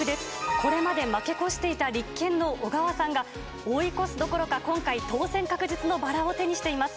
これまで負け越していた立憲の小川さんが追い越すどころか今回、当選確実のバラを手にしています。